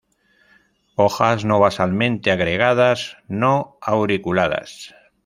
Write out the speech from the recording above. Hojas no basalmente agregadas; no auriculadas.